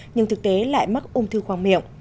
nhưng thực tế lại mắc ung thư khoang miệng